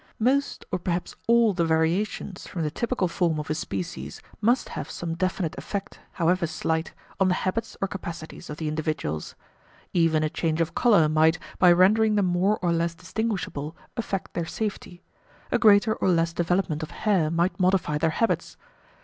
Most or perhaps all the variations from the typical form of a species must have some definite effect, however slight, on the habits or capacities of the individuals. Even a change of colour might, by rendering them more or less distinguishable, affect their safety; a greater or less development of hair might modify their habits.